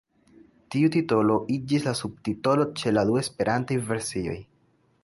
Tiu titolo iĝis la subtitolo ĉe la du esperantaj versioj.